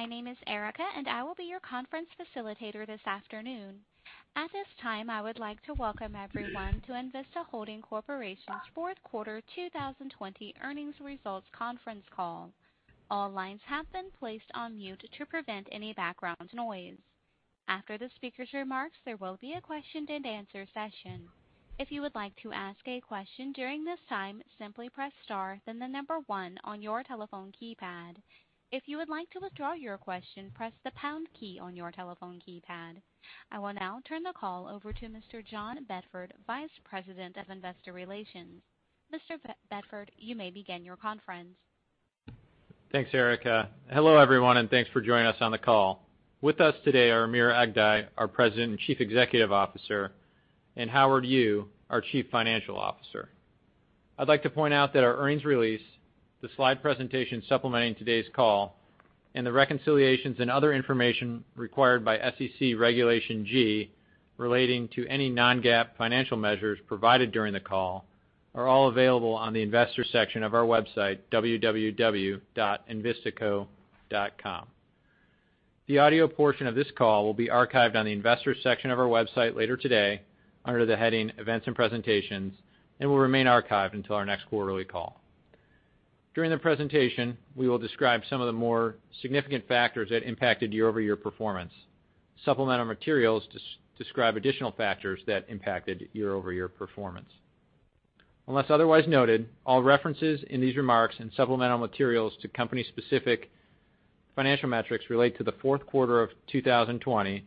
My name is Erica, and I will be your conference facilitator this afternoon. At this time, I would like to welcome everyone to Envista Holdings Corporation's fourth quarter 2020 earnings results conference call. All lines have been placed on mute to prevent any background noise. After the speaker's remarks, there will be a question-and-answer session. If you would like to ask a question during this time, simply press Star, then the number one on your telephone keypad. If you would like to withdraw your question, press the pound key on your telephone keypad. I will now turn the call over to Mr. John Bedford, Vice President of Investor Relations. Mr. Bedford, you may begin your conference. Thanks, Erica. Hello, everyone, and thanks for joining us on the call. With us today are Amir Aghdaei, our President and Chief Executive Officer, and Howard Yu, our Chief Financial Officer. I'd like to point out that our earnings release, the slide presentation supplementing today's call, and the reconciliations and other information required by SEC Regulation G relating to any non-GAAP financial measures provided during the call, are all available on the Investors section of our website, www.envistaco.com. The audio portion of this call will be archived on the Investors section of our website later today under the heading Events and Presentations, and will remain archived until our next quarterly call. During the presentation, we will describe some of the more significant factors that impacted year-over-year performance. Supplemental materials describe additional factors that impacted year-over-year performance. Unless otherwise noted, all references in these remarks and supplemental materials to company-specific financial metrics relate to the fourth quarter of 2020,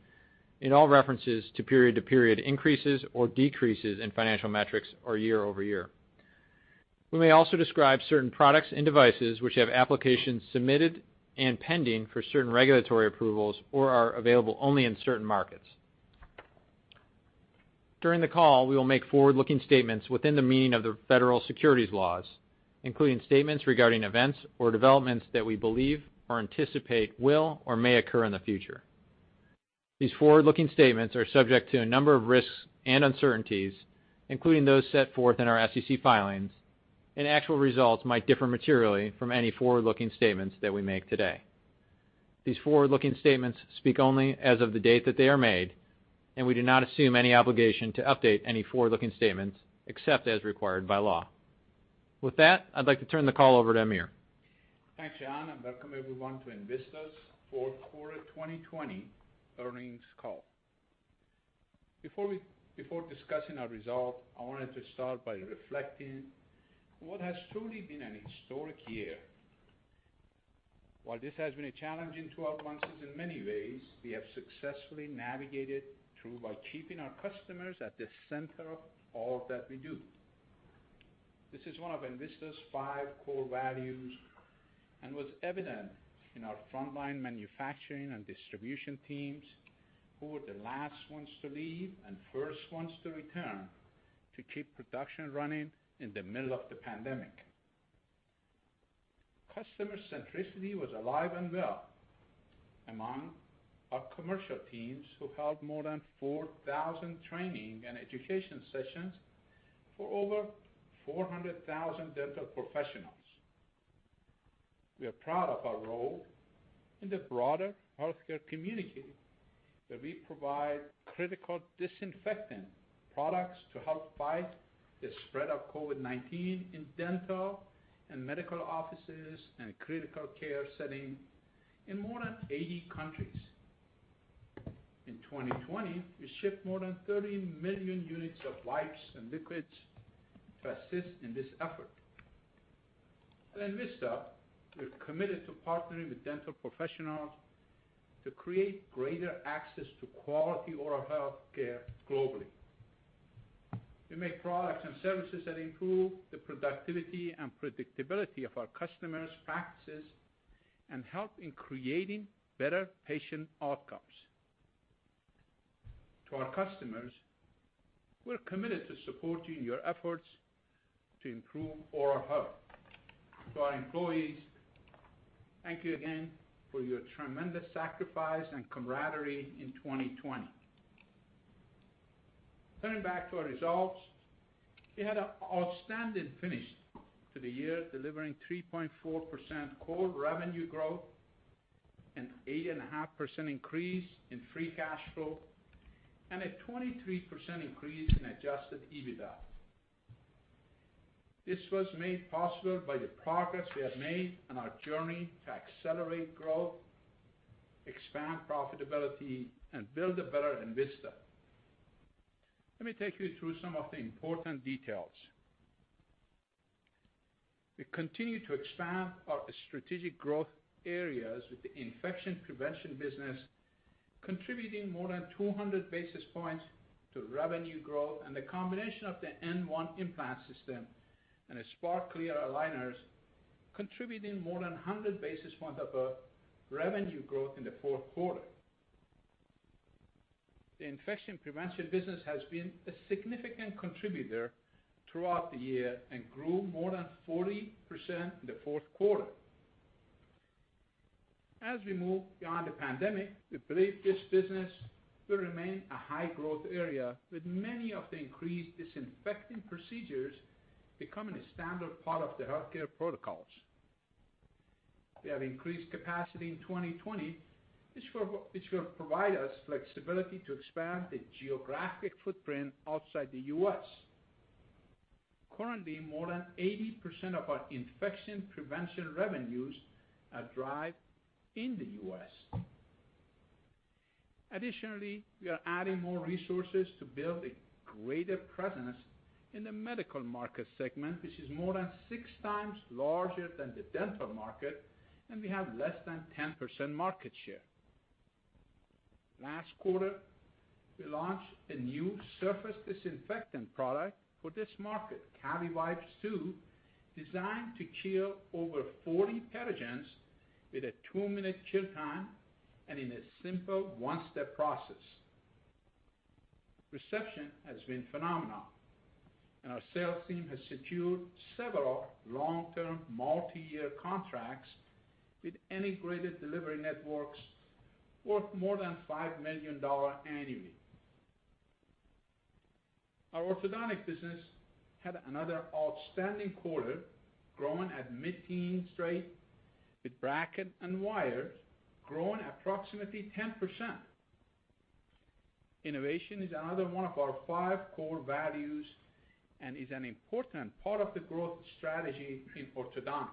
and all references to period-to-period increases or decreases in financial metrics are year-over-year. We may also describe certain products and devices which have applications submitted and pending for certain regulatory approvals or are available only in certain markets. During the call, we will make forward-looking statements within the meaning of the federal securities laws, including statements regarding events or developments that we believe or anticipate will or may occur in the future. These forward-looking statements are subject to a number of risks and uncertainties, including those set forth in our SEC filings, and actual results might differ materially from any forward-looking statements that we make today. These forward-looking statements speak only as of the date that they are made, and we do not assume any obligation to update any forward-looking statements, except as required by law. With that, I'd like to turn the call over to Amir. Thanks, John, and welcome everyone to Envista's fourth quarter 2020 earnings call. Before discussing our results, I wanted to start by reflecting on what has truly been an historic year. While this has been a challenging 12 months in many ways, we have successfully navigated through by keeping our customers at the center of all that we do. This is one of Envista's five core values and was evident in our frontline manufacturing and distribution teams, who were the last ones to leave and first ones to return to keep production running in the middle of the pandemic. Customer centricity was alive and well among our commercial teams, who held more than 4,000 training and education sessions for over 400,000 dental professionals. We are proud of our role in the broader healthcare community, where we provide critical disinfectant products to help fight the spread of COVID-19 in dental and medical offices and critical care settings in more than 80 countries. In 2020, we shipped more than 30 million units of wipes and liquids to assist in this effort. At Envista, we're committed to partnering with dental professionals to create greater access to quality oral health care globally. We make products and services that improve the productivity and predictability of our customers' practices and help in creating better patient outcomes. To our customers, we're committed to supporting your efforts to improve oral health. To our employees, thank you again for your tremendous sacrifice and camaraderie in 2020. Turning back to our results, we had an outstanding finish to the year, delivering 3.4% core revenue growth, an 8.5% increase in Free Cash Flow, and a 23% increase in adjusted EBITDA. This was made possible by the progress we have made on our journey to accelerate growth, expand profitability, and build a better Envista. Let me take you through some of the important details. We continue to expand our strategic growth areas, with the infection prevention business contributing more than 200 basis points to revenue growth and the combination of the N1 implant system and the Spark clear aligners contributing more than 100 basis points of revenue growth in the fourth quarter. The infection prevention business has been a significant contributor throughout the year and grew more than 40% in the fourth quarter. As we move beyond the pandemic, we believe this business will remain a high-growth area, with many of the increased disinfecting procedures becoming a standard part of the healthcare protocols. We have increased capacity in 2020, which will provide us flexibility to expand the geographic footprint outside the U.S. Currently, more than 80% of our infection prevention revenues are derived in the U.S. Additionally, we are adding more resources to build a greater presence in the medical market segment, which is more than six times larger than the dental market, and we have less than 10% market share. Last quarter, we launched a new surface disinfectant product for this market, CaviWipes 2.0, designed to kill over 40 pathogens with a two-minute kill time and in a simple one-step process. Reception has been phenomenal, and our sales team has secured several long-term, multi-year contracts with integrated delivery networks worth more than $5 million annually. Our orthodontic business had another outstanding quarter, growing at mid-teens rate, with brackets and wires growing approximately 10%. Innovation is another one of our five core values and is an important part of the growth strategy in orthodontics.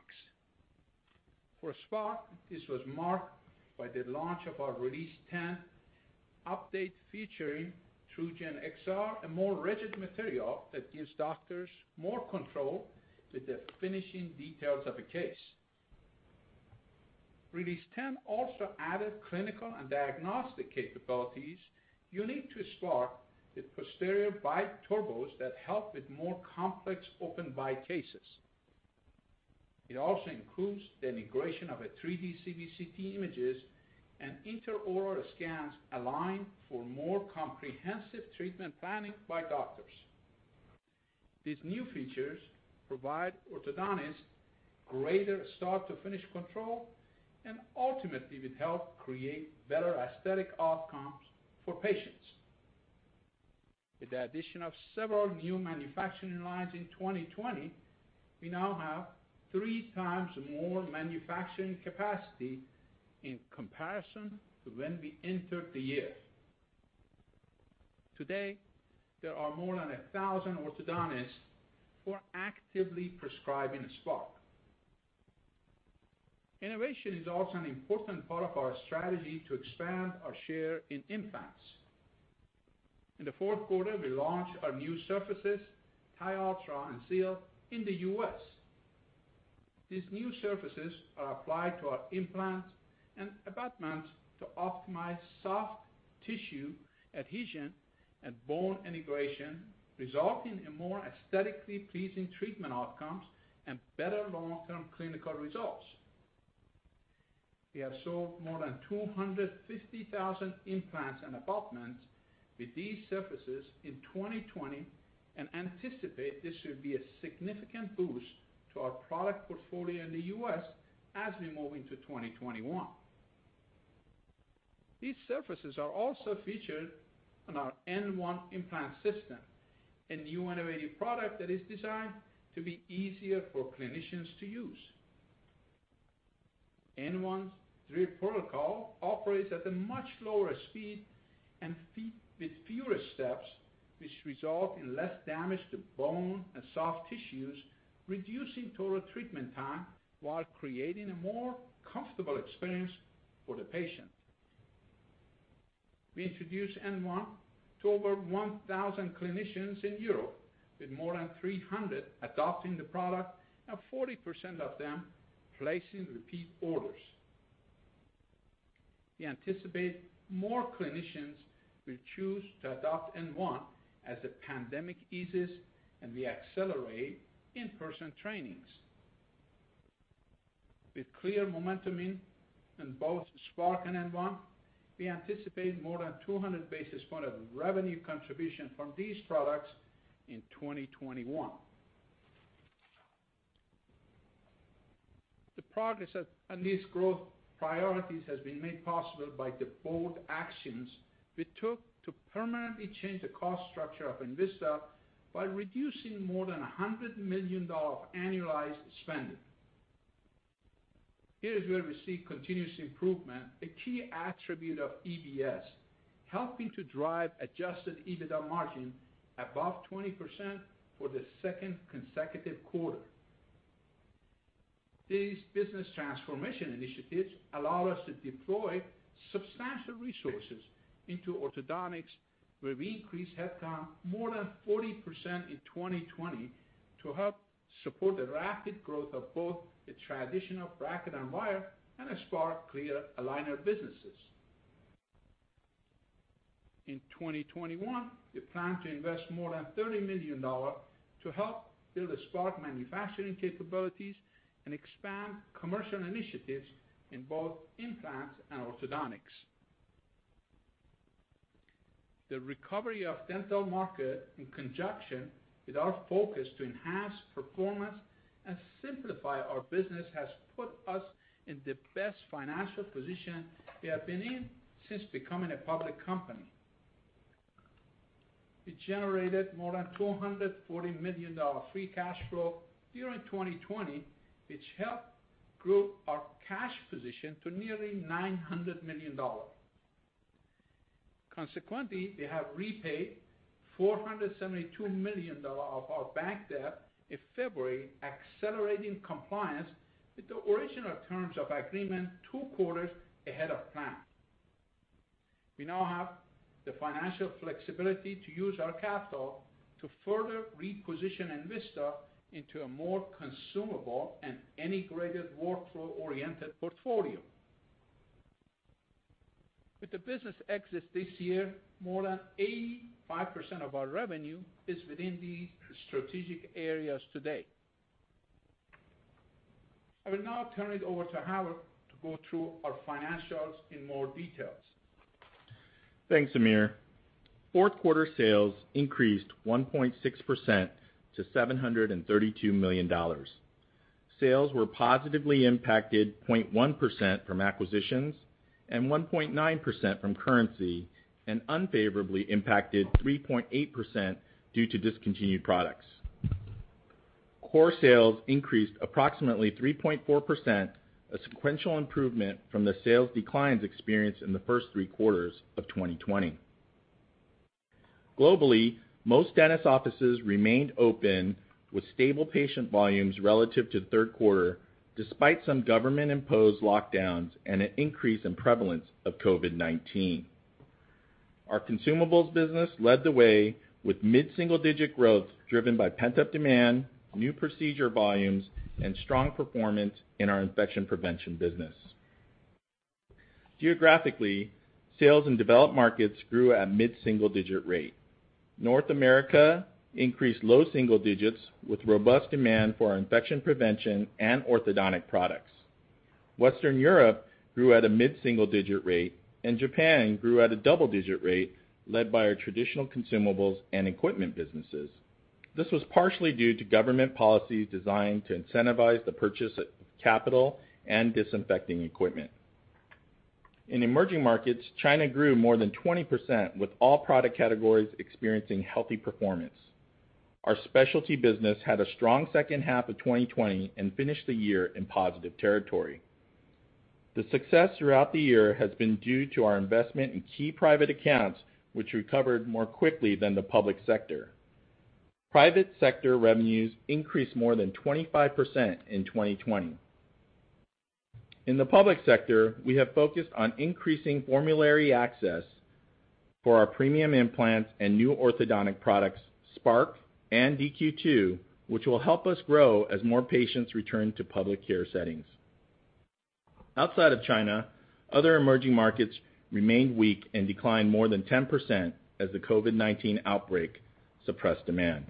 For Spark, this was marked by the launch of our Release 10 update, featuring TruGEN XR, a more rigid material that gives doctors more control with the finishing details of a case. Release 10 also added clinical and diagnostic capabilities unique to Spark, with Posterior Bite Turbos that help with more complex open bite cases. It also includes the integration of 3D CBCT images and intraoral scans aligned for more comprehensive treatment planning by doctors. These new features provide orthodontists greater start-to-finish control and ultimately will help create better aesthetic outcomes for patients. With the addition of several new manufacturing lines in 2020, we now have three times more manufacturing capacity in comparison to when we entered the year. Today, there are more than 1,000 orthodontists who are actively prescribing Spark. Innovation is also an important part of our strategy to expand our share in implants. In the fourth quarter, we launched our new surfaces, TiUltra and Xeal, in the U.S. These new surfaces are applied to our implants and abutments to optimize soft tissue adhesion and bone integration, resulting in more aesthetically pleasing treatment outcomes and better long-term clinical results. We have sold more than 250,000 implants and abutments with these surfaces in 2020, and anticipate this should be a significant boost to our product portfolio in the U.S. as we move into 2021. These surfaces are also featured on our N1 implant system, a new innovative product that is designed to be easier for clinicians to use. N1's drill protocol operates at a much lower speed and with fewer steps, which result in less damage to bone and soft tissues, reducing total treatment time while creating a more comfortable experience for the patient. We introduced N1 to over 1,000 clinicians in Europe, with more than 300 adopting the product and 40% of them placing repeat orders. We anticipate more clinicians will choose to adopt N1 as the pandemic eases and we accelerate in-person trainings. With clear momentum in both Spark and N1, we anticipate more than 200 basis points of revenue contribution from these products in 2021. The progress of these growth priorities has been made possible by the bold actions we took to permanently change the cost structure of Envista by reducing more than $100 million of annualized spending. Here is where we see continuous improvement, a key attribute of EBS, helping to drive adjusted EBITDA margin above 20% for the second consecutive quarter. These business transformation initiatives allow us to deploy substantial resources into orthodontics, where we increased headcount more than 40% in 2020, to help support the rapid growth of both the traditional bracket and wire and the Spark clear aligner businesses. In 2021, we plan to invest more than $30 million to help build the Spark manufacturing capabilities and expand commercial initiatives in both implants and orthodontics. The recovery of dental market, in conjunction with our focus to enhance performance and simplify our business, has put us in the best financial position we have been in since becoming a public company. We generated more than $240 million Free Cash Flow during 2020, which helped grow our cash position to nearly $900 million. Consequently, we have repaid $472 million of our bank debt in February, accelerating compliance with the original terms of agreement two quarters ahead of plan. We now have the financial flexibility to use our capital to further reposition Envista into a more consumable and integrated workflow-oriented portfolio. With the business exits this year, more than 85% of our revenue is within these strategic areas today. I will now turn it over to Howard to go through our financials in more details. Thanks, Amir. Fourth quarter sales increased 1.6% to $732 million. Sales were positively impacted 0.1% from acquisitions and 1.9% from currency, and unfavorably impacted 3.8% due to discontinued products. Core sales increased approximately 3.4%, a sequential improvement from the sales declines experienced in the first three quarters of 2020. Globally, most dentist offices remained open with stable patient volumes relative to the third quarter, despite some government-imposed lockdowns and an increase in prevalence of COVID-19. Our consumables business led the way with mid-single-digit growth, driven by pent-up demand, new procedure volumes, and strong performance in our infection prevention business. Geographically, sales in developed markets grew at a mid-single-digit rate. North America increased low single digits, with robust demand for our infection prevention and orthodontic products. Western Europe grew at a mid-single-digit rate, and Japan grew at a double-digit rate, led by our traditional consumables and equipment businesses. This was partially due to government policies designed to incentivize the purchase of capital and disinfecting equipment. In emerging markets, China grew more than 20%, with all product categories experiencing healthy performance. Our specialty business had a strong second half of 2020 and finished the year in positive territory. The success throughout the year has been due to our investment in key private accounts, which recovered more quickly than the public sector. Private sector revenues increased more than 25% in 2020. In the public sector, we have focused on increasing formulary access for our premium implants and new orthodontic products, Spark and DQ2, which will help us grow as more patients return to public care settings. Outside of China, other emerging markets remained weak and declined more than 10% as the COVID-19 outbreak suppressed demand.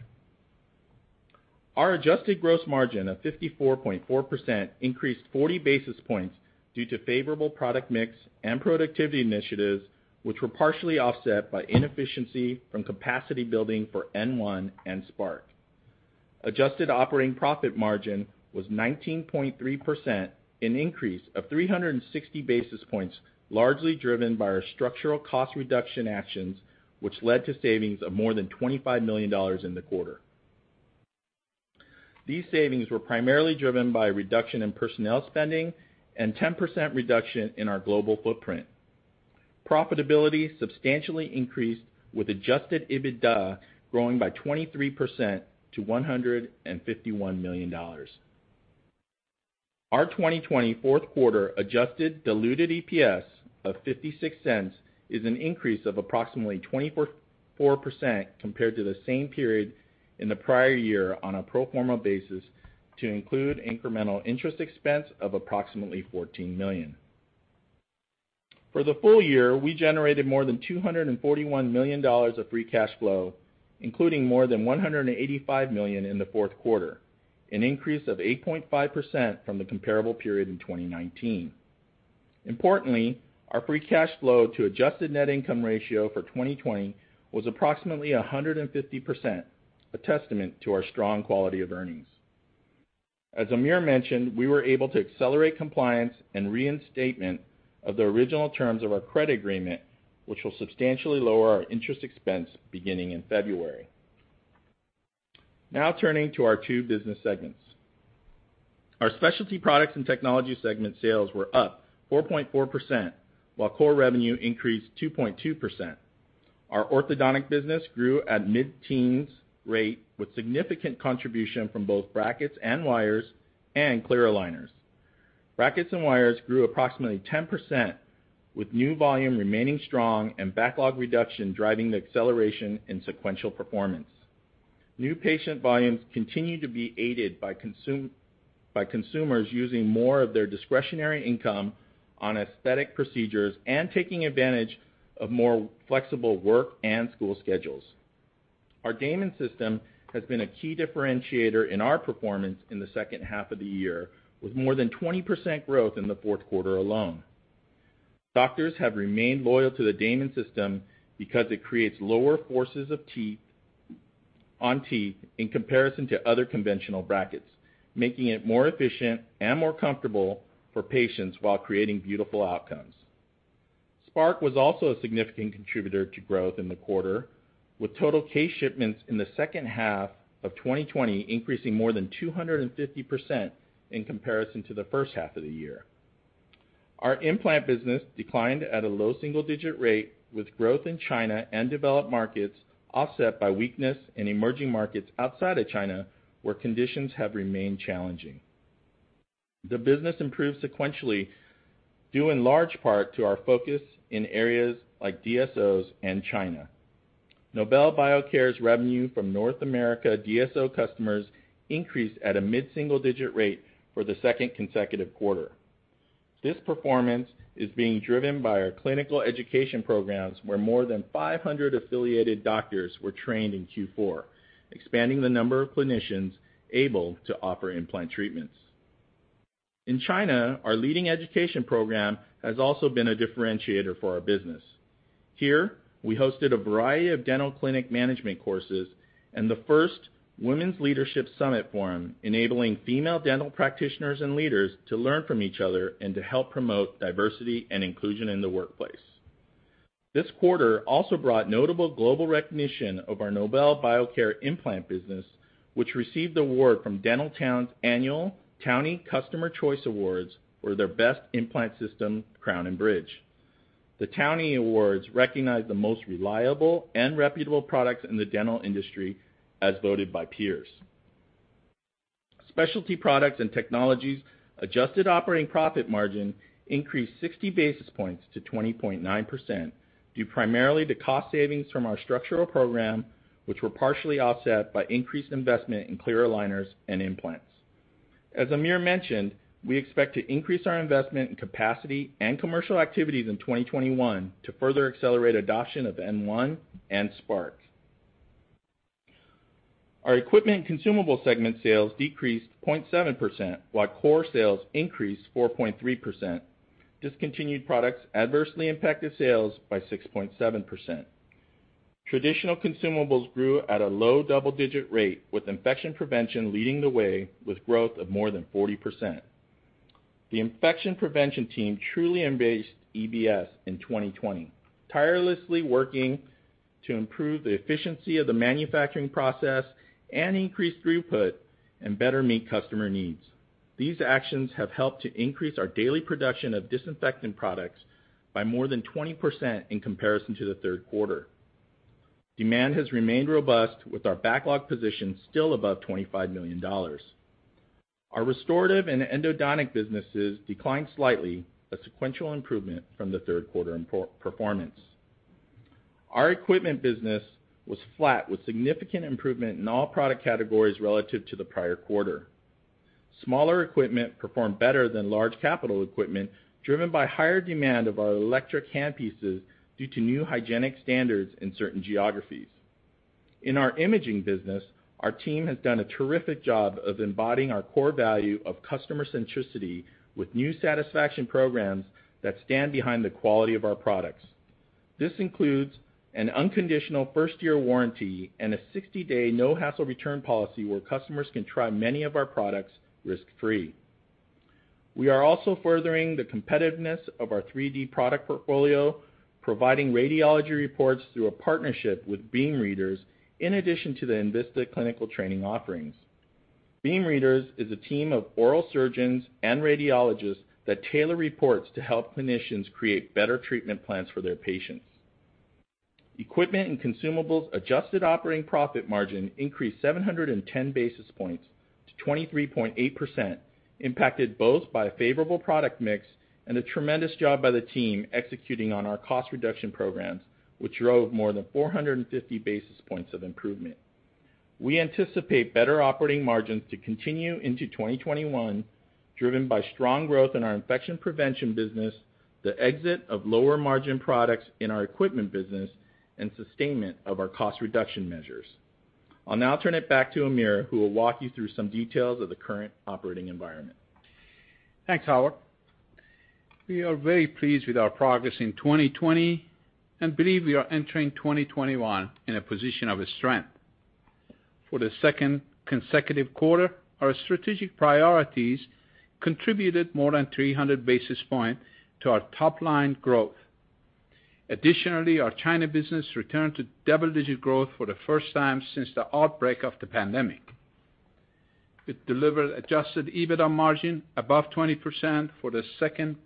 Our adjusted gross margin of 54.4% increased 40 basis points due to favorable product mix and productivity initiatives, which were partially offset by inefficiency from capacity building for N1 and Spark. Adjusted operating profit margin was 19.3%, an increase of 360 basis points, largely driven by our structural cost reduction actions, which led to savings of more than $25 million in the quarter. These savings were primarily driven by a reduction in personnel spending and 10% reduction in our global footprint. Profitability substantially increased, with adjusted EBITDA growing by 23% to $151 million. Our 2020 fourth quarter adjusted diluted EPS of $0.56 is an increase of approximately 24.4% compared to the same period in the prior year on a pro forma basis to include incremental interest expense of approximately $14 million. For the full year, we generated more than $241 million of Free Cash Flow, including more than $185 million in the fourth quarter, an increase of 8.5% from the comparable period in 2019. Importantly, our Free Cash Flow to adjusted net income ratio for 2020 was approximately 150%, a testament to our strong quality of earnings. As Amir mentioned, we were able to accelerate compliance and reinstatement of the original terms of our credit agreement, which will substantially lower our interest expense beginning in February. Now turning to our two business segments. Our specialty products and technology segment sales were up 4.4%, while core revenue increased 2.2%. Our orthodontic business grew at mid-teens rate, with significant contribution from both brackets and wires and clear aligners. Brackets and wires grew approximately 10%, with new volume remaining strong and backlog reduction driving the acceleration in sequential performance. New patient volumes continue to be aided by consumers using more of their discretionary income on aesthetic procedures and taking advantage of more flexible work and school schedules. Our Damon System has been a key differentiator in our performance in the second half of the year, with more than 20% growth in the fourth quarter alone. Doctors have remained loyal to the Damon System because it creates lower forces of teeth on teeth in comparison to other conventional brackets. Making it more efficient and more comfortable for patients while creating beautiful outcomes. Spark was also a significant contributor to growth in the quarter, with total case shipments in the second half of 2020 increasing more than 250% in comparison to the first half of the year. Our implant business declined at a low single-digit rate, with growth in China and developed markets offset by weakness in emerging markets outside of China, where conditions have remained challenging. The business improved sequentially, due in large part to our focus in areas like DSOs and China. Nobel Biocare's revenue from North America DSO customers increased at a mid-single digit rate for the second consecutive quarter. This performance is being driven by our clinical education programs, where more than 500 affiliated doctors were trained in Q4, expanding the number of clinicians able to offer implant treatments. In China, our leading education program has also been a differentiator for our business. Here, we hosted a variety of dental clinic management courses and the first Women's Leadership Summit Forum, enabling female dental practitioners and leaders to learn from each other and to help promote diversity and inclusion in the workplace. This quarter also brought notable global recognition of our Nobel Biocare implant business, which received the award from Dentaltown's annual Townie Choice Awards for their best implant system, crown and bridge. The Townie Awards recognize the most reliable and reputable products in the dental industry as voted by peers. Specialty products and technologies adjusted operating profit margin increased 60 basis points to 20.9%, due primarily to cost savings from our structural program, which were partially offset by increased investment in clear aligners and implants. As Amir mentioned, we expect to increase our investment in capacity and commercial activities in 2021 to further accelerate adoption of N1 and Spark. Our equipment consumable segment sales decreased 0.7%, while core sales increased 4.3%. Discontinued products adversely impacted sales by 6.7%. Traditional consumables grew at a low double-digit rate, with infection prevention leading the way, with growth of more than 40%. The infection prevention team truly embraced EBS in 2020, tirelessly working to improve the efficiency of the manufacturing process and increase throughput and better meet customer needs. These actions have helped to increase our daily production of disinfectant products by more than 20% in comparison to the third quarter. Demand has remained robust, with our backlog position still above $25 million. Our restorative and endodontic businesses declined slightly, a sequential improvement from the third quarter performance. Our equipment business was flat, with significant improvement in all product categories relative to the prior quarter. Smaller equipment performed better than large capital equipment, driven by higher demand of our electric handpieces due to new hygienic standards in certain geographies. In our imaging business, our team has done a terrific job of embodying our core value of customer centricity with new satisfaction programs that stand behind the quality of our products. This includes an unconditional first-year warranty and a 60-day no-hassle return policy, where customers can try many of our products risk-free. We are also furthering the competitiveness of our 3D product portfolio, providing radiology reports through a partnership with BeamReaders, in addition to the Envista clinical training offerings. BeamReaders is a team of oral surgeons and radiologists that tailor reports to help clinicians create better treatment plans for their patients. Equipment and consumables adjusted operating profit margin increased 710 basis points to 23.8%, impacted both by a favorable product mix and a tremendous job by the team executing on our cost reduction programs, which drove more than 450 basis points of improvement. We anticipate better operating margins to continue into 2021, driven by strong growth in our infection prevention business, the exit of lower-margin products in our equipment business, and sustainment of our cost reduction measures. I'll now turn it back to Amir, who will walk you through some details of the current operating environment. Thanks, Howard. We are very pleased with our progress in 2020 and believe we are entering 2021 in a position of strength. For the second consecutive quarter, our strategic priorities contributed more than 300 basis points to our top-line growth. Additionally, our China business returned to double-digit growth for the first time since the outbreak of the pandemic. It delivered adjusted EBITDA margin above 20% for the second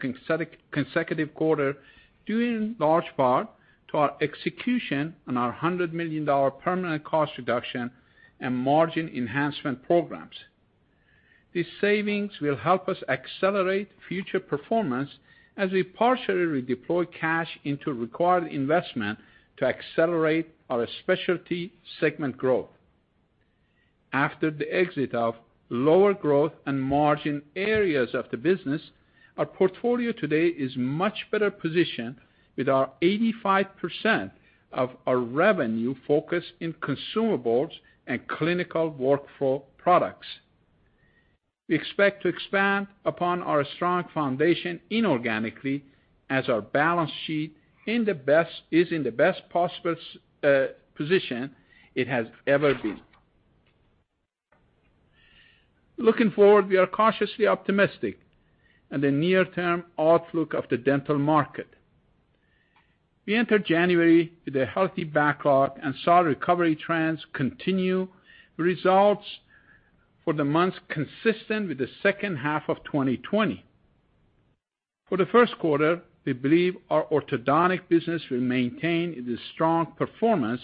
consecutive quarter, due in large part to our execution on our $100 million permanent cost reduction and margin enhancement programs. These savings will help us accelerate future performance as we partially redeploy cash into required investment to accelerate our specialty segment growth. After the exit of lower growth and margin areas of the business, our portfolio today is much better positioned, with 85% of our revenue focused in consumables and clinical workflow products.... We expect to expand upon our strong foundation inorganically as our balance sheet is in the best possible position it has ever been. Looking forward, we are cautiously optimistic in the near-term outlook of the dental market. We entered January with a healthy backlog and saw recovery trends continue, results for the months consistent with the second half of 2020. For the first quarter, we believe our orthodontic business will maintain its strong performance,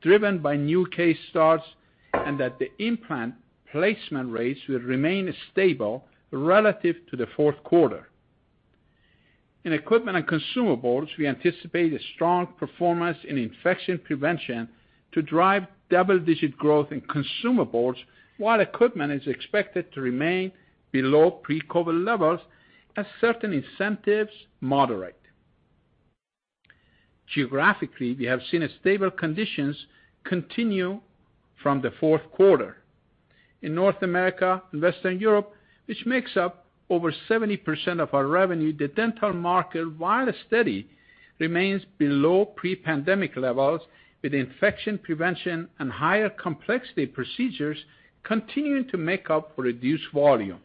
driven by new case starts, and that the implant placement rates will remain stable relative to the fourth quarter. In equipment and consumables, we anticipate a strong performance in infection prevention to drive double-digit growth in consumables, while equipment is expected to remain below pre-COVID levels as certain incentives moderate. Geographically, we have seen stable conditions continue from the fourth quarter. In North America and Western Europe, which makes up over 70% of our revenue, the dental market, while steady, remains below pre-pandemic levels, with infection prevention and higher complexity procedures continuing to make up for reduced volume.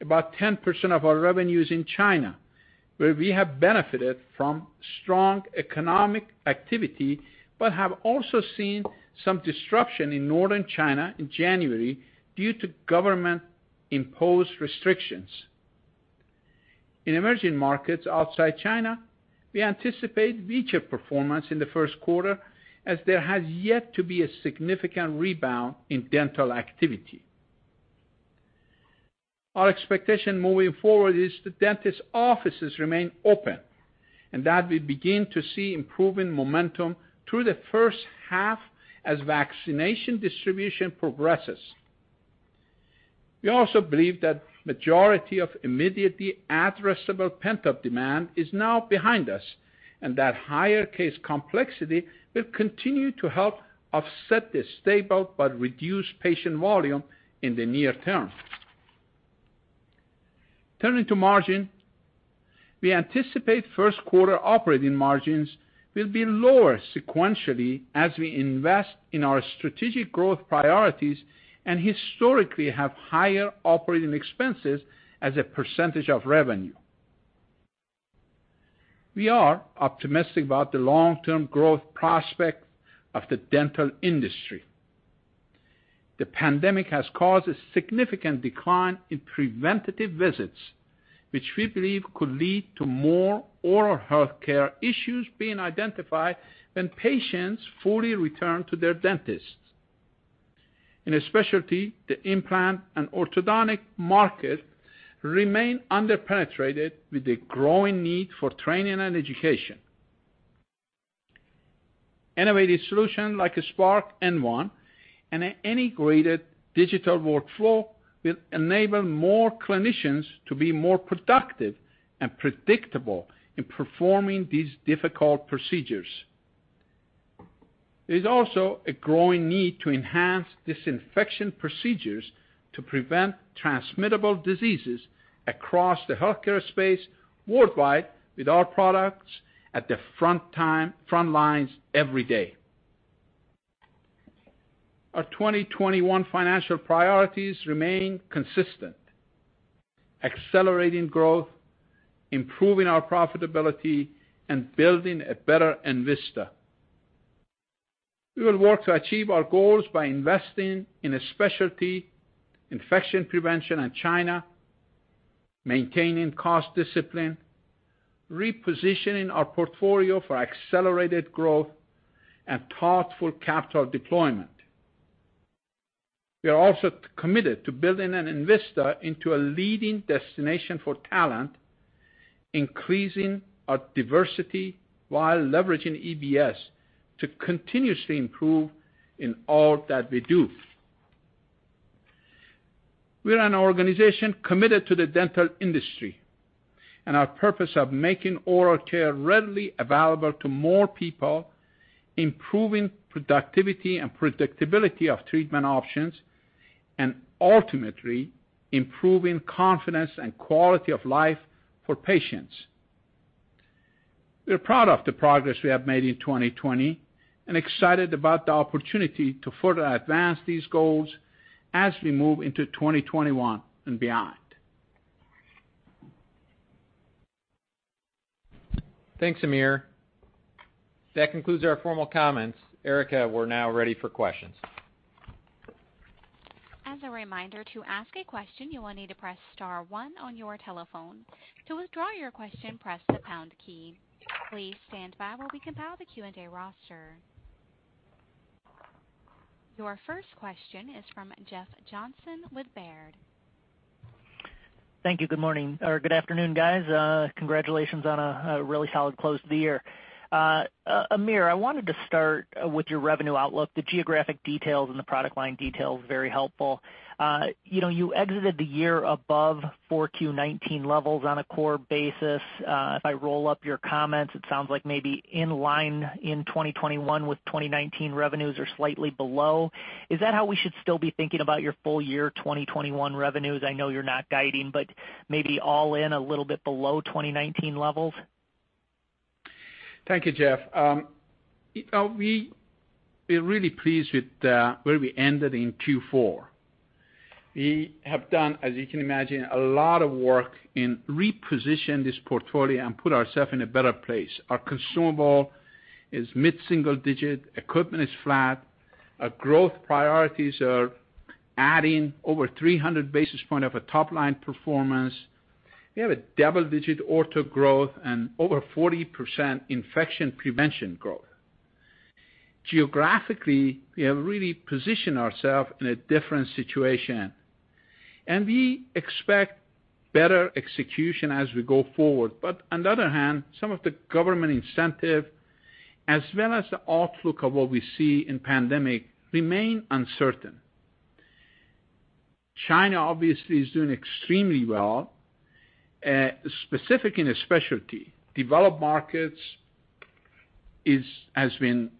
About 10% of our revenue is in China, where we have benefited from strong economic activity, but have also seen some disruption in northern China in January due to government-imposed restrictions. In emerging markets outside China, we anticipate weaker performance in the first quarter, as there has yet to be a significant rebound in dental activity. Our expectation moving forward is that dentist offices remain open, and that we begin to see improving momentum through the first half as vaccination distribution progresses. We also believe that majority of immediately addressable pent-up demand is now behind us, and that higher case complexity will continue to help offset the stable but reduced patient volume in the near term. Turning to margin, we anticipate first quarter operating margins will be lower sequentially as we invest in our strategic growth priorities and historically have higher operating expenses as a percentage of revenue. We are optimistic about the long-term growth prospect of the dental industry. The pandemic has caused a significant decline in preventative visits, which we believe could lead to more oral health care issues being identified when patients fully return to their dentists. In specialty, the implant and orthodontic market remain under-penetrated, with a growing need for training and education. Innovative solutions like Spark and N1 and an integrated digital workflow will enable more clinicians to be more productive and predictable in performing these difficult procedures. There's also a growing need to enhance disinfection procedures to prevent transmittable diseases across the healthcare space worldwide, with our products at the front lines every day. Our 2021 financial priorities remain consistent: accelerating growth, improving our profitability, and building a better Envista. We will work to achieve our goals by investing in a specialty, infection prevention in China, maintaining cost discipline, repositioning our portfolio for accelerated growth, and thoughtful capital deployment. We are also committed to building an Envista into a leading destination for talent, increasing our diversity while leveraging EBS to continuously improve in all that we do. We are an organization committed to the dental industry and our purpose of making oral care readily available to more people, improving productivity and predictability of treatment options, and ultimately, improving confidence and quality of life for patients. We are proud of the progress we have made in 2020, and excited about the opportunity to further advance these goals as we move into 2021 and beyond. Thanks, Amir. That concludes our formal comments. Erica, we're now ready for questions. As a reminder, to ask a question, you will need to press star one on your telephone. To withdraw your question, press the pound key. Please stand by while we compile the Q&A roster. Your first question is from Jeff Johnson with Baird. Thank you. Good morning or good afternoon, guys. Congratulations on a really solid close to the year. Amir, I wanted to start with your revenue outlook, the geographic details and the product line details, very helpful. You know, you exited the year above 4Q 2019 levels on a core basis. If I roll up your comments, it sounds like maybe in line in 2021 with 2019 revenues or slightly below. Is that how we should still be thinking about your full year 2021 revenues? I know you're not guiding, but maybe all in a little bit below 2019 levels? ... Thank you, Jeff. We, we're really pleased with where we ended in Q4. We have done, as you can imagine, a lot of work in reposition this portfolio and put ourself in a better place. Our consumable is mid-single digit, equipment is flat. Our growth priorities are adding over 300 basis points of a top-line performance. We have a double-digit ortho growth and over 40% infection prevention growth. Geographically, we have really positioned ourself in a different situation, and we expect better execution as we go forward. But on the other hand, some of the government incentive, as well as the outlook of what we see in pandemic, remain uncertain. China, obviously, is doing extremely well, specific in the specialty. Developed markets has been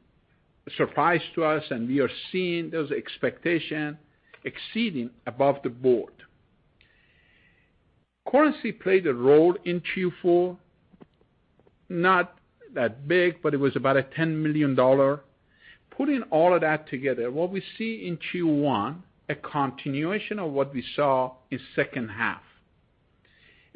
a surprise to us, and we are seeing those expectation exceeding across the board. Currency played a role in Q4, not that big, but it was about a $10 million. Putting all of that together, what we see in Q1, a continuation of what we saw in second half,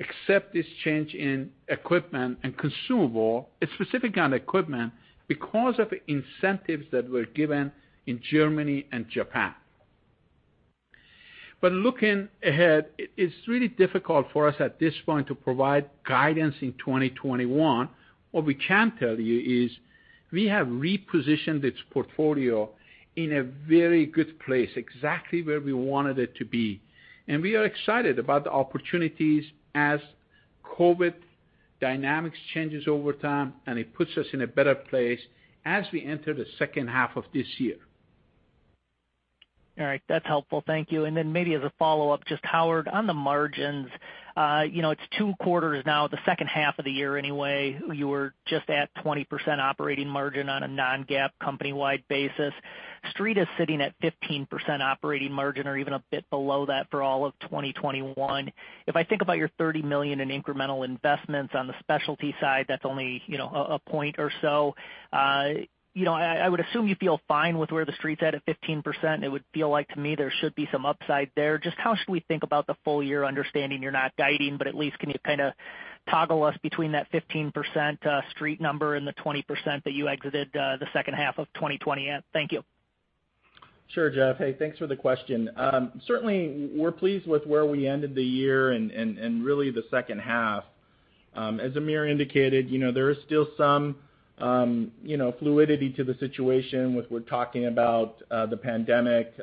except this change in equipment and consumable, it's specific on equipment, because of incentives that were given in Germany and Japan. But looking ahead, it's really difficult for us at this point to provide guidance in 2021. What we can tell you is we have repositioned its portfolio in a very good place, exactly where we wanted it to be. And we are excited about the opportunities as COVID dynamics changes over time, and it puts us in a better place as we enter the second half of this year. All right. That's helpful. Thank you. And then maybe as a follow-up, just, Howard, on the margins, you know, it's two quarters now, the second half of the year anyway, you were just at 20% operating margin on a non-GAAP company-wide basis. Street is sitting at 15% operating margin or even a bit below that for all of 2021. If I think about your $30 million in incremental investments on the specialty side, that's only, you know, a point or so. You know, I would assume you feel fine with where the Street's at, at 15%. It would feel like to me there should be some upside there. Just how should we think about the full year, understanding you're not guiding, but at least, can you kind of toggle us between that 15% Street number and the 20% that you exited the second half of 2020 at? Thank you. Sure, Jeff. Hey, thanks for the question. Certainly, we're pleased with where we ended the year and really the second half. As Amir indicated, you know, there is still some, you know, fluidity to the situation with what we're talking about, the pandemic,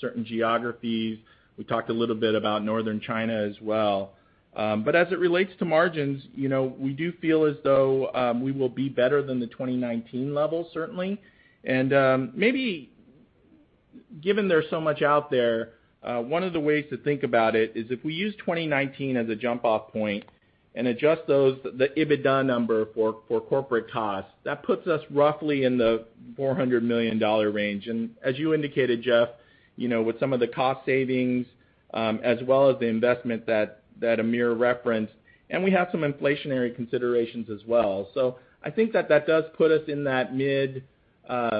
certain geographies. We talked a little bit about northern China as well. But as it relates to margins, you know, we do feel as though we will be better than the 2019 level, certainly. And, maybe given there's so much out there, one of the ways to think about it is if we use 2019 as a jump-off point and adjust those, the EBITDA number for corporate costs, that puts us roughly in the $400 million range. And as you indicated, Jeff, you know, with some of the cost savings, as well as the investment that that Amir referenced, and we have some inflationary considerations as well. So I think that that does put us in that mid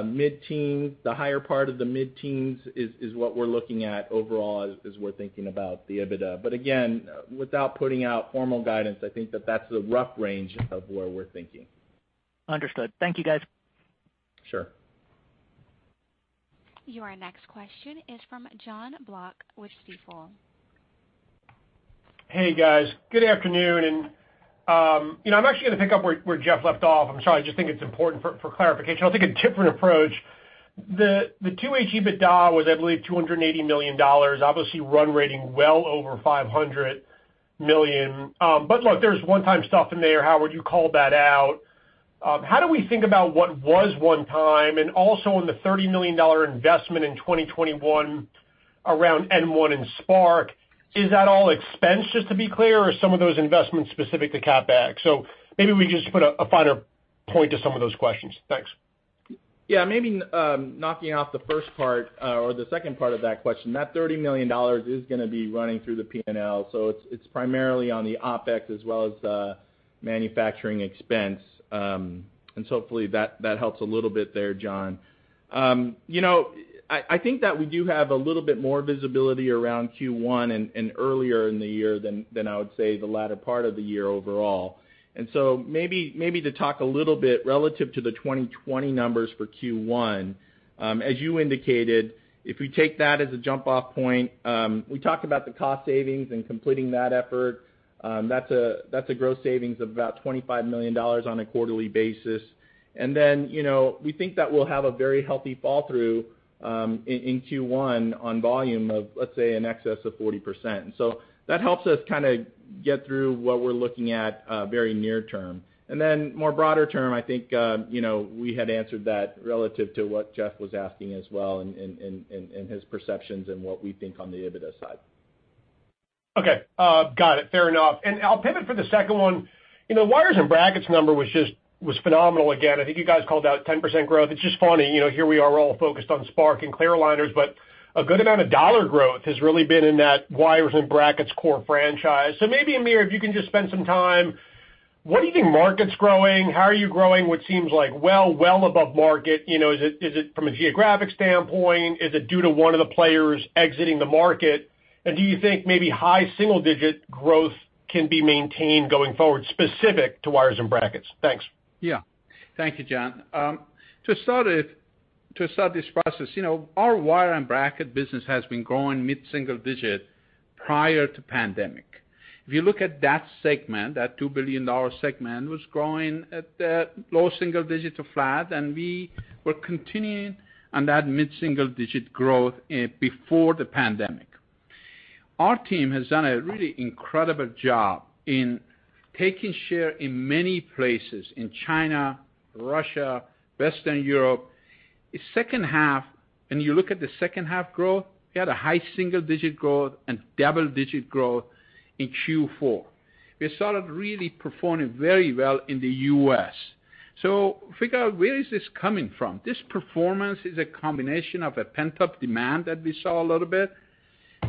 mid-teens. The higher part of the mid-teens is what we're looking at overall as we're thinking about the EBITDA. But again, without putting out formal guidance, I think that that's the rough range of where we're thinking. Understood. Thank you, guys. Sure. Your next question is from Jon Block with Stifel. Hey, guys. Good afternoon. You know, I'm actually going to pick up where Jeff left off. I'm sorry, I just think it's important for clarification. I'll take a different approach. The two-way EBITDA was, I believe, $280 million, obviously run rating well over $500 million. But look, there's one-time stuff in there, Howard, you called that out. How do we think about what was one time, and also on the $30 million investment in 2021 around N1 and Spark? Is that all expense, just to be clear, or are some of those investments specific to CapEx? So maybe we just put a finer point to some of those questions. Thanks. Yeah, maybe, knocking off the first part, or the second part of that question, that $30 million is going to be running through the P&L, so it's, it's primarily on the OpEx as well as, manufacturing expense. And so hopefully that, that helps a little bit there, John. You know, I, I think that we do have a little bit more visibility around Q1 and, and earlier in the year than, than I would say, the latter part of the year overall. And so maybe, maybe to talk a little bit relative to the 2020 numbers for Q1. As you indicated, if we take that as a jump-off point, we talked about the cost savings and completing that effort. That's a, that's a gross savings of about $25 million on a quarterly basis. And then, you know, we think that we'll have a very healthy fall through in Q1 on volume of, let's say, in excess of 40%. So that helps us kind of get through what we're looking at very near term. And then more broader term, I think, you know, we had answered that relative to what Jeff was asking as well and his perceptions and what we think on the EBITDA side. Okay. Got it. Fair enough. And I'll pivot for the second one. You know, wires and brackets number was just phenomenal again. I think you guys called out 10% growth. It's just funny, you know, here we are all focused on Spark and clear aligners, but a good amount of dollar growth has really been in that wires and brackets core franchise. So maybe, Amir, if you can just spend some time. What do you think market's growing? How are you growing what seems like well above market? You know, is it from a geographic standpoint? Is it due to one of the players exiting the market? And do you think maybe high single-digit growth can be maintained going forward, specific to wires and brackets? Thanks. Yeah. Thank you, John. To start it, to start this process, you know, our wire and bracket business has been growing mid-single-digit prior to pandemic. If you look at that segment, that $2 billion segment, was growing at, low-single-digit to flat, and we were continuing on that mid-single-digit growth, before the pandemic. Our team has done a really incredible job in taking share in many places, in China, Russia, Western Europe. The second half, when you look at the second half growth, we had a high-single-digit growth and double-digit growth in Q4. We started really performing very well in the U.S. So figure out, where is this coming from? This performance is a combination of a pent-up demand that we saw a little bit,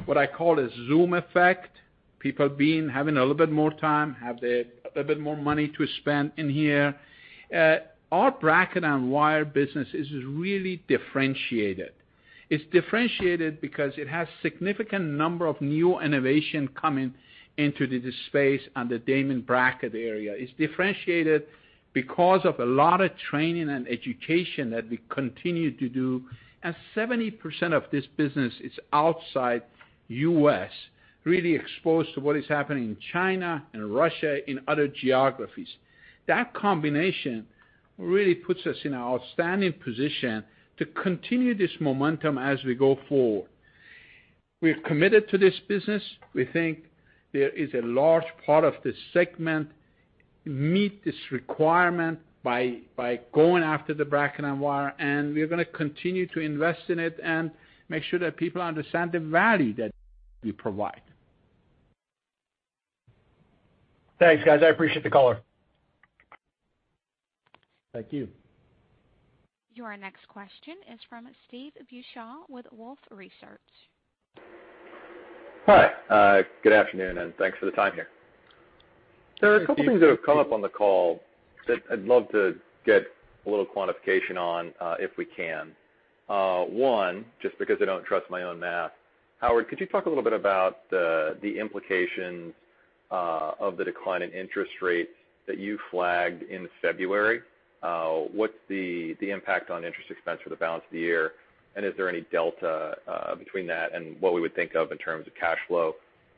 what I call a Zoom effect, people being, having a little bit more time, have a little bit more money to spend in here. Our bracket and wire business is really differentiated. It's differentiated because it has significant number of new innovation coming into the, the space on the Damon bracket area. It's differentiated because of a lot of training and education that we continue to do, and 70% of this business is outside U.S., really exposed to what is happening in China and Russia, in other geographies. That combination really puts us in an outstanding position to continue this momentum as we go forward. We're committed to this business. We think there is a large part of this segment, meet this requirement by, by going after the bracket and wire, and we're gonna continue to invest in it and make sure that people understand the value that we provide. Thanks, guys. I appreciate the call. Thank you. Your next question is from Steve Beuchaw with Wolfe Research. Hi, good afternoon, and thanks for the time here. Thank you, Steve. There are a couple things that have come up on the call that I'd love to get a little quantification on, if we can. One, just because I don't trust my own math, Howard, could you talk a little bit about the implications of the decline in interest rates that you flagged in February? What's the impact on interest expense for the balance of the year, and is there any delta between that and what we would think of in terms of cash flow?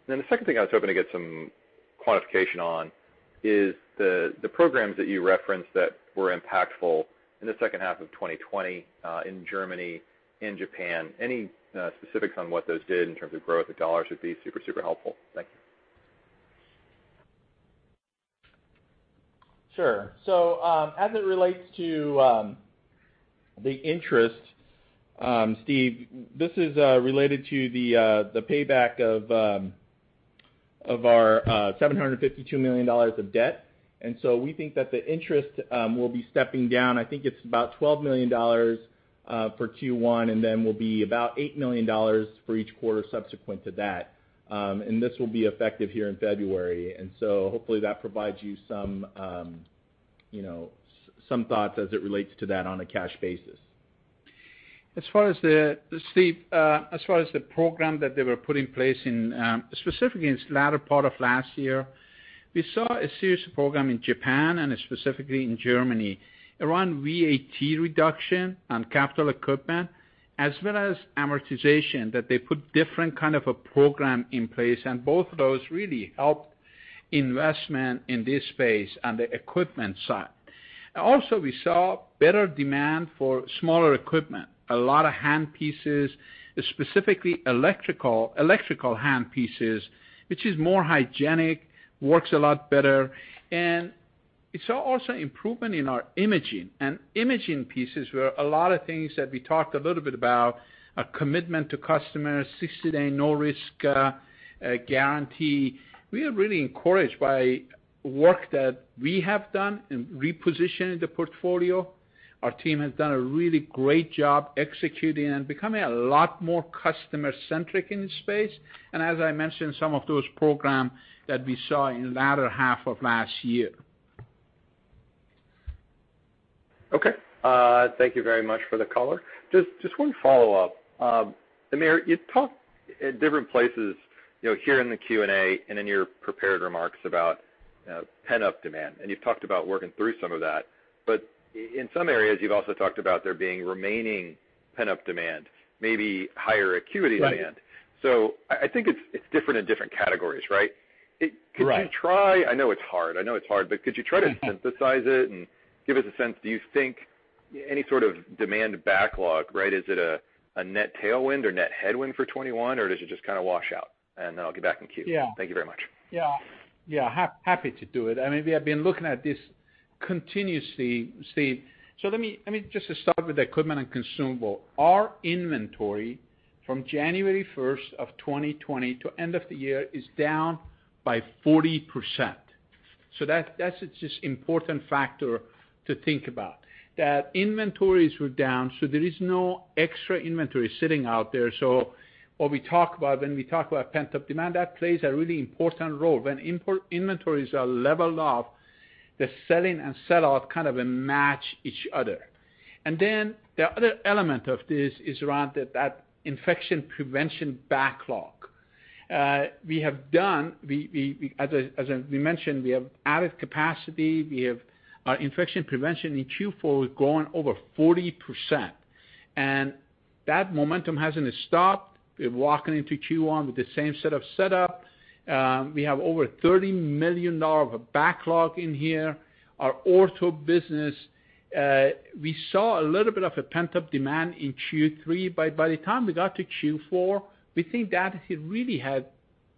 Then the second thing I was hoping to get some quantification on is the programs that you referenced that were impactful in the second half of 2020, in Germany and Japan. Any specifics on what those did in terms of growth of dollars would be super, super helpful. Thank you. Sure. So, as it relates to the interest, Steve, this is related to the payback of our $752 million of debt. And so we think that the interest will be stepping down. I think it's about $12 million for Q1, and then will be about $8 million for each quarter subsequent to that. And this will be effective here in February, and so hopefully that provides you some, you know, some thoughts as it relates to that on a cash basis. As far as the, Steve, as far as the program that they were putting in place in, specifically in the latter part of last year, we saw a serious program in Japan and specifically in Germany, around VAT reduction on capital equipment, as well as amortization, that they put different kind of a program in place, and both of those really helped investment in this space on the equipment side. Also, we saw better demand for smaller equipment, a lot of handpieces, specifically electrical, electrical handpieces, which is more hygienic, works a lot better. And we saw also improvement in our imaging, and imaging pieces were a lot of things that we talked a little bit about, a commitment to customers, 60-day no-risk, guarantee. We are really encouraged by work that we have done in repositioning the portfolio. Our team has done a really great job executing and becoming a lot more customer-centric in this space, and as I mentioned, some of those programs that we saw in the latter half of last year. Okay. Thank you very much for the call. Just one follow-up. Amir, you talked at different places, you know, here in the Q&A and in your prepared remarks about pent-up demand, and you've talked about working through some of that. But in some areas, you've also talked about there being remaining pent-up demand, maybe higher acuity demand. Right. So I think it's different in different categories, right? Right. Could you try—I know it's hard, I know it's hard, but could you try to synthesize it and give us a sense, do you think any sort of demand backlog, right, is it a net tailwind or net headwind for 2021, or does it just kind of wash out? And then I'll get back in queue. Yeah. Thank you very much. Yeah. Yeah, happy to do it. I mean, we have been looking at this continuously, Steve. So let me, let me just start with the equipment and consumable. Our inventory from January 1st, 2020 to end of the year is down by 40%. So that's just important factor to think about, that inventories were down, so there is no extra inventory sitting out there. So what we talk about when we talk about pent-up demand, that plays a really important role. When inventories are leveled off, the selling and sell-off kind of match each other. And then the other element of this is around that, that infection prevention backlog. As we mentioned, we have added capacity. We have our infection prevention in Q4 has grown over 40%, and that momentum hasn't stopped. We're walking into Q1 with the same set of setup. We have over $30 million of backlog in here. Our ortho business, we saw a little bit of a pent-up demand in Q3, but by the time we got to Q4, we think that it really had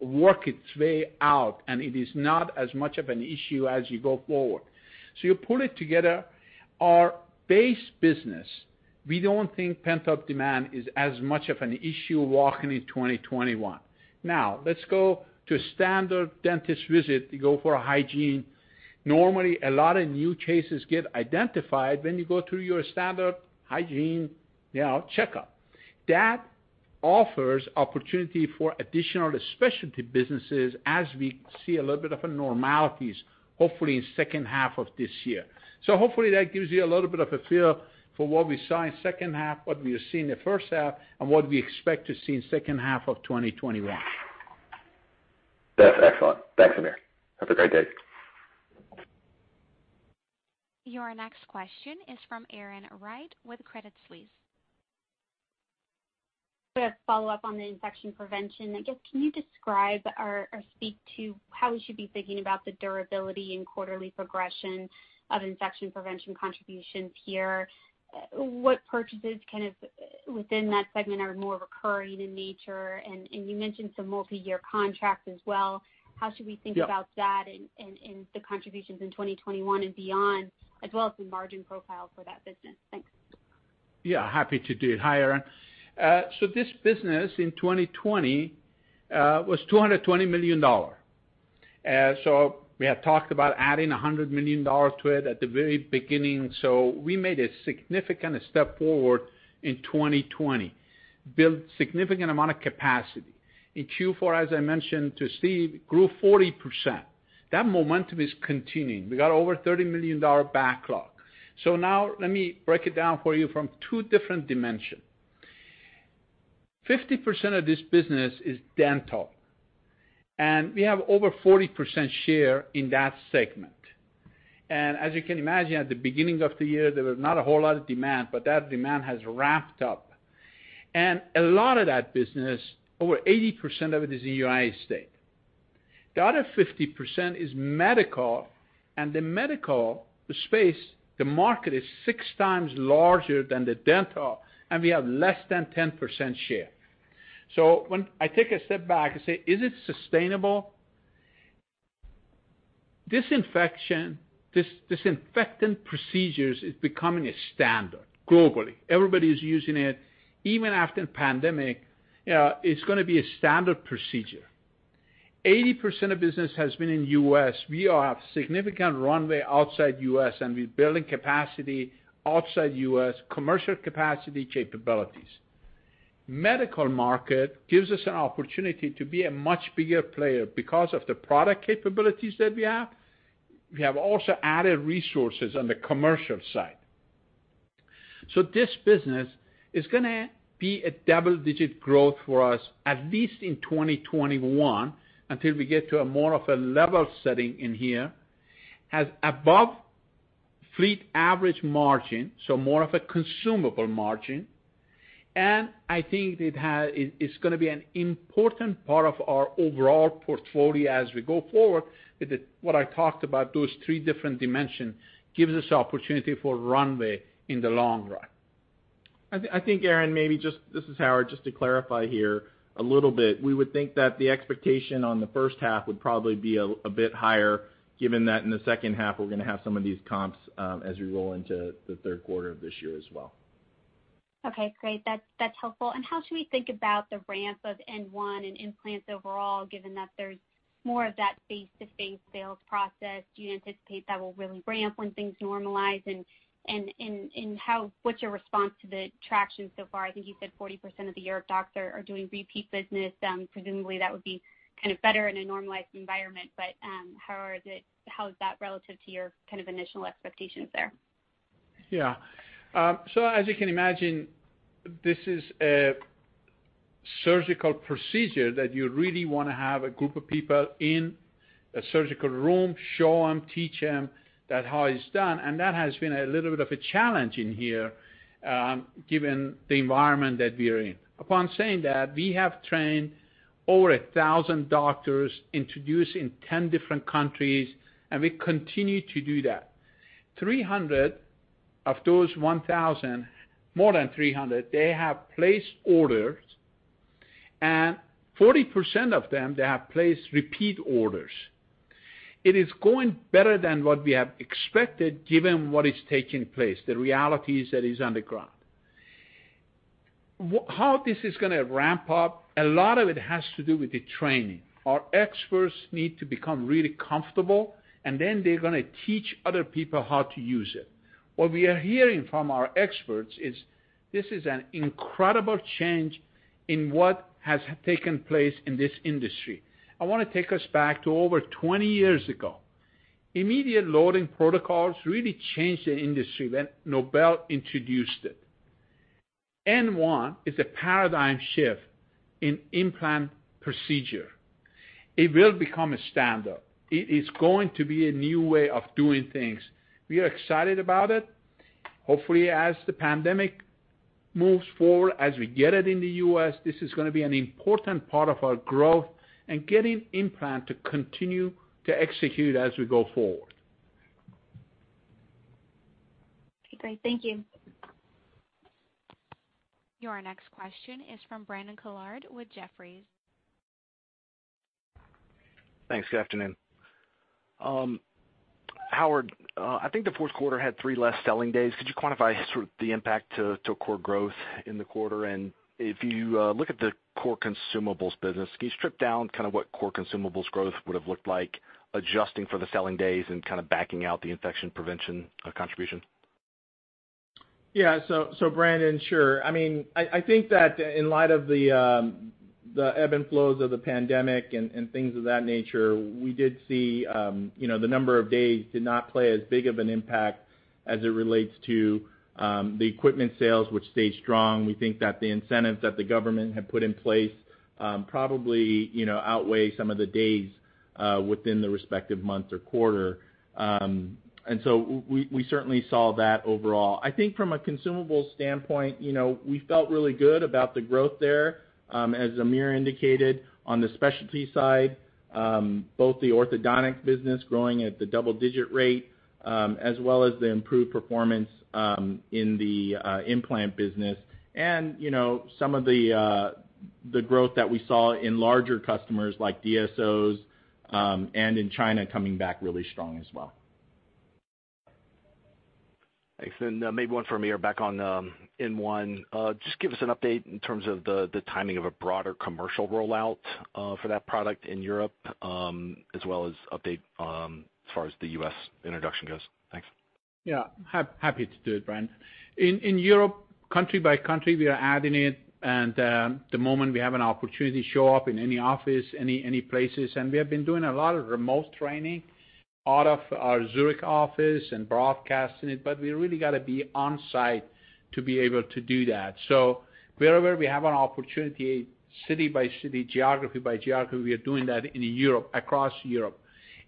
worked its way out, and it is not as much of an issue as you go forward. So you put it together, our base business, we don't think pent-up demand is as much of an issue walking in 2021. Now, let's go to standard dentist visit. You go for a hygiene. Normally, a lot of new cases get identified when you go through your standard hygiene, you know, checkup. That offers opportunity for additional specialty businesses as we see a little bit of a normalities, hopefully in second half of this year. Hopefully, that gives you a little bit of a feel for what we saw in second half, what we have seen in the first half, and what we expect to see in second half of 2021. That's excellent. Thanks, Amir. Have a great day. Your next question is from Erin Wright with Credit Suisse. To follow up on the infection prevention, I guess, can you describe or speak to how we should be thinking about the durability and quarterly progression of infection prevention contributions here? What purchases kind of, within that segment are more recurring in nature? And you mentioned some multi-year contracts as well. How should we think- Yeah About that in the contributions in 2021 and beyond, as well as the margin profile for that business? Thanks. Yeah, happy to do it. Hi, Erin. So this business in 2020 was $220 million. So we have talked about adding $100 million to it at the very beginning, so we made a significant step forward in 2020, built significant amount of capacity. In Q4, as I mentioned to Steve, grew 40%. That momentum is continuing. We got over $30 million backlog. So now let me break it down for you from two different dimensions. 50% of this business is dental, and we have over 40% share in that segment. And as you can imagine, at the beginning of the year, there was not a whole lot of demand, but that demand has ramped up. And a lot of that business, over 80% of it, is in the United States. The other 50% is medical, and the medical space, the market, is six times larger than the dental, and we have less than 10% share. So when I take a step back and say: Is it sustainable? Disinfection, disinfectant procedures is becoming a standard globally. Everybody is using it. Even after the pandemic, it's gonna be a standard procedure. 80% of business has been in U.S. We have significant runway outside U.S., and we're building capacity outside U.S., commercial capacity capabilities. Medical market gives us an opportunity to be a much bigger player because of the product capabilities that we have. We have also added resources on the commercial side. So this business is gonna be a double-digit growth for us, at least in 2021, until we get to a more of a level setting in here, has above fleet average margin, so more of a consumable margin. And I think it, it's gonna be an important part of our overall portfolio as we go forward with the, what I talked about, those three different dimensions, gives us opportunity for runway in the long run. I think, Erin, maybe just this is Howard, just to clarify here a little bit. We would think that the expectation on the first half would probably be a bit higher, given that in the second half, we're gonna have some of these comps, as we roll into the third quarter of this year as well. Okay, great. That's, that's helpful. And how should we think about the ramp of N1 and implants overall, given that there's more of that face-to-face sales process? Do you anticipate that will really ramp when things normalize? And how, what's your response to the traction so far? I think you said 40% of the European doctors are doing repeat business. Presumably, that would be kind of better in a normalized environment, but, how is it, how is that relative to your kind of initial expectations there? Yeah. So as you can imagine, this is a surgical procedure that you really wanna have a group of people in a surgical room, show them, teach them that how it's done, and that has been a little bit of a challenge in here, given the environment that we are in. Upon saying that, we have trained over 1,000 doctors, introduced in 10 different countries, and we continue to do that. 300 of those 1,000, more than 300, they have placed orders, and 40% of them, they have placed repeat orders. It is going better than what we have expected, given what is taking place, the realities that is on the ground. How this is going to ramp up, a lot of it has to do with the training. Our experts need to become really comfortable, and then they're going to teach other people how to use it. What we are hearing from our experts is, this is an incredible change in what has taken place in this industry. I want to take us back to over 20 years ago. Immediate loading protocols really changed the industry when Nobel introduced it. N1 is a paradigm shift in implant procedure. It will become a standard. It is going to be a new way of doing things. We are excited about it. Hopefully, as the pandemic moves forward, as we get it in the U.S., this is going to be an important part of our growth and getting implant to continue to execute as we go forward. Okay, great. Thank you. Your next question is from Brandon Couillard with Jefferies. Thanks. Good afternoon. Howard, I think the fourth quarter had three less selling days. Could you quantify sort of the impact to, to core growth in the quarter? And if you look at the core consumables business, can you strip down kind of what core consumables growth would have looked like, adjusting for the selling days and kind of backing out the infection prevention contribution? Yeah, so Brandon, sure. I mean, I think that in light of the ebbs and flows of the pandemic and things of that nature, we did see, you know, the number of days did not play as big of an impact as it relates to the equipment sales, which stayed strong. We think that the incentives that the government have put in place probably, you know, outweigh some of the days within the respective months or quarter. And so we certainly saw that overall. I think from a consumable standpoint, you know, we felt really good about the growth there. As Amir indicated on the specialty side, both the orthodontic business growing at the double-digit rate as well as the improved performance in the implant business. You know, some of the growth that we saw in larger customers like DSOs, and in China coming back really strong as well. Thanks. And, maybe one for Amir back on N1. Just give us an update in terms of the timing of a broader commercial rollout for that product in Europe, as well as update as far as the U.S. introduction goes. Thanks. Yeah. Happy to do it, Brandon. In Europe, country by country, we are adding it, and the moment we have an opportunity show up in any office, any places, and we have been doing a lot of remote training out of our Zurich office and broadcasting it, but we really got to be on site to be able to do that. So wherever we have an opportunity, city by city, geography by geography, we are doing that in Europe, across Europe.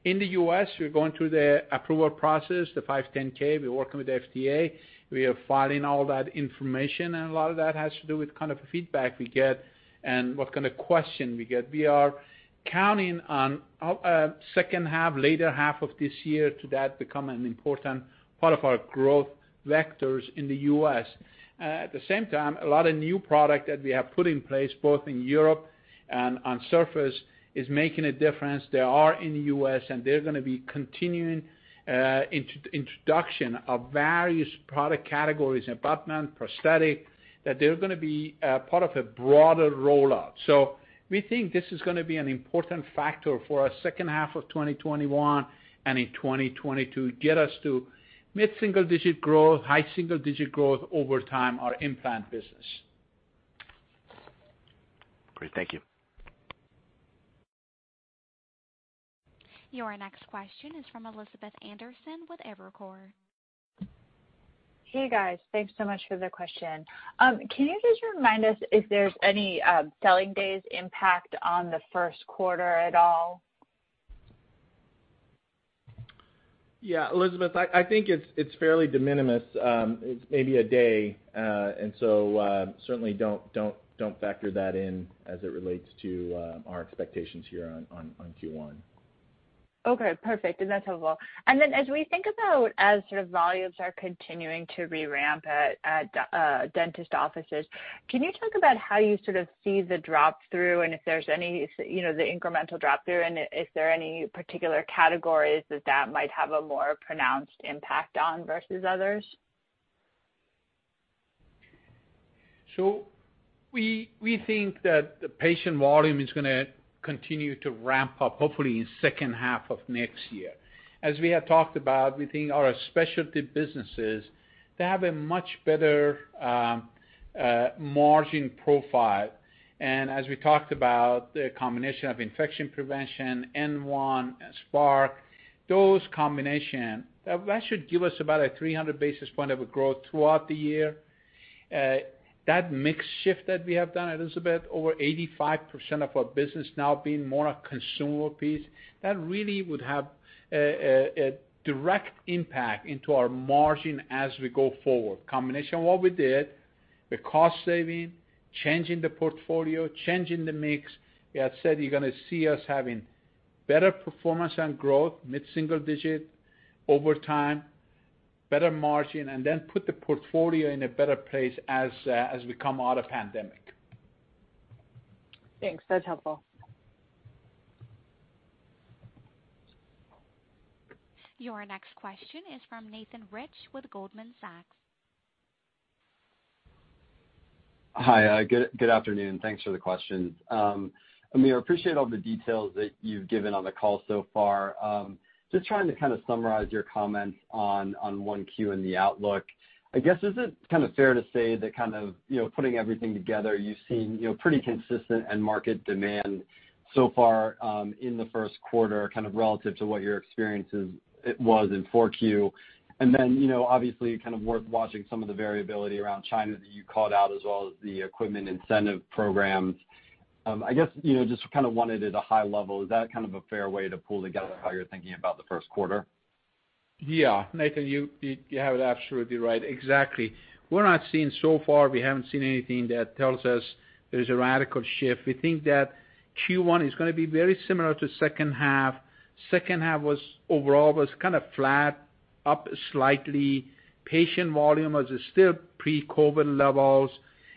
In the U.S., we're going through the approval process, the 510(k). We're working with the FDA. We are filing all that information, and a lot of that has to do with kind of the feedback we get and what kind of question we get. We are counting on second half, later half of this year to that become an important part of our growth vectors in the U.S. At the same time, a lot of new product that we have put in place, both in Europe and on surface, is making a difference. They are in the U.S., and they're going to be continuing introduction of various product categories, abutment, prosthetic, that they're going to be part of a broader rollout. So we think this is going to be an important factor for our second half of 2021 and in 2022 to get us to mid-single digit growth, high single digit growth over time, our implant business. Great. Thank you. Your next question is from Elizabeth Anderson with Evercore. Hey, guys. Thanks so much for the question. Can you just remind us if there's any selling days impact on the first quarter at all? Yeah, Elizabeth, I think it's fairly de minimis. It's maybe a day, and so certainly don't factor that in as it relates to our expectations here on Q1. Okay, perfect. And that's helpful. And then as we think about sort of volumes are continuing to re-ramp at dentist offices, can you talk about how you sort of see the drop through and if there's any, you know, the incremental drop through, and is there any particular categories that might have a more pronounced impact on versus others? So we think that the patient volume is going to continue to ramp up, hopefully in second half of next year. As we have talked about, we think our specialty businesses, they have a much better, margin profile. And as we talked about, the combination of infection prevention, N1, Spark, those combination, that should give us about a 300 basis point of a growth throughout the year. That mix shift that we have done, Elizabeth, over 85% of our business now being more a consumable piece, that really would have a direct impact into our margin as we go forward. Combination of what we did, the cost saving, changing the portfolio, changing the mix. I said, you're going to see us having better performance and growth, mid-single digit over time, better margin, and then put the portfolio in a better place as, as we come out of pandemic. Thanks. That's helpful. Your next question is from Nathan Rich with Goldman Sachs. Hi, good afternoon, and thanks for the questions. Amir, appreciate all the details that you've given on the call so far. Just trying to kind of summarize your comments on 1Q and the outlook. I guess, is it kind of fair to say that kind of, you know, putting everything together, you've seen, you know, pretty consistent end market demand so far, in the first quarter, kind of relative to what your experience was in 4Q? And then, you know, obviously, kind of worth watching some of the variability around China that you called out, as well as the equipment incentive programs. I guess, you know, just kind of wanted at a high level, is that kind of a fair way to pull together how you're thinking about the first quarter? Yeah, Nathan, you have it absolutely right. Exactly. We're not seeing—so far, we haven't seen anything that tells us there's a radical shift. We think that Q1 is gonna be very similar to second half. Second half was, overall, kind of flat, up slightly. Patient volume was still pre-COVID levels,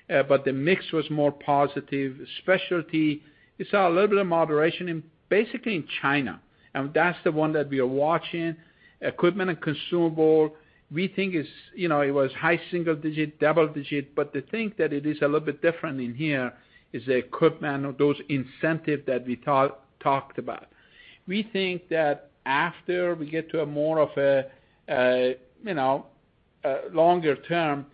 but the mix was more positive. Specialty, we saw a little bit of moderation in, basically in China, and that's the one that we are watching. Equipment and consumable, we think is, you know, it was high single digit, double digit, but the thing that it is a little bit different in here is the equipment or those incentive that we talk, talked about. We think that after we get to a more, you know, longer term,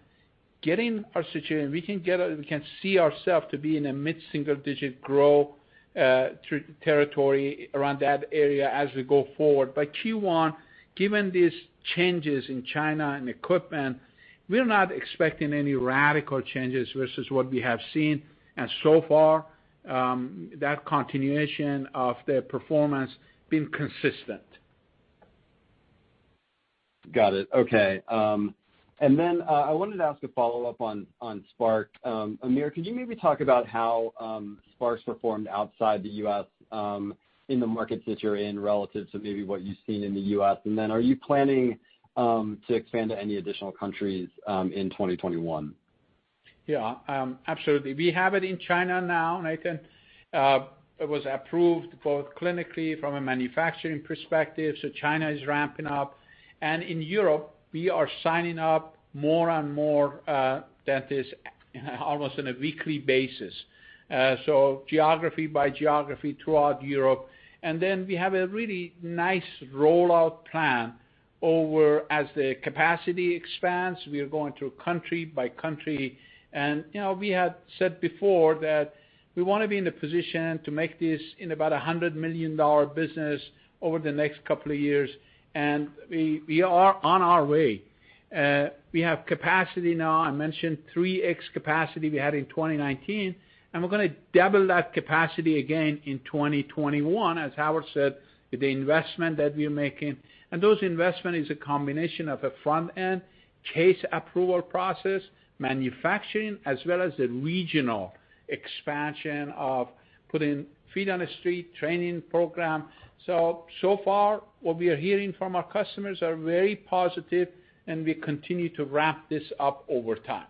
getting our situation, we can see ourself to be in a mid-single digit growth through territory around that area as we go forward. But Q1, given these changes in China and equipment, we're not expecting any radical changes versus what we have seen. And so far, that continuation of the performance been consistent. Got it. Okay. And then, I wanted to ask a follow-up on, on Spark. Amir, could you maybe talk about how, Spark's performed outside the U.S., in the markets that you're in relative to maybe what you've seen in the U.S.? And then, are you planning, to expand to any additional countries, in 2021? Yeah. Absolutely. We have it in China now, Nathan. It was approved both clinically from a manufacturing perspective, so China is ramping up. And in Europe, we are signing up more and more dentists almost on a weekly basis. So geography by geography throughout Europe. And then we have a really nice rollout plan over as the capacity expands, we are going through country by country. And, you know, we had said before that we wanna be in a position to make this in about a $100 million business over the next couple of years, and we, we are on our way. We have capacity now. I mentioned 3x capacity we had in 2019, and we're gonna double that capacity again in 2021, as Howard said, with the investment that we are making. And those investment is a combination of a front-end case approval process, manufacturing, as well as the regional expansion of putting feet on the street, training program. So far, what we are hearing from our customers are very positive, and we continue to ramp this up over time.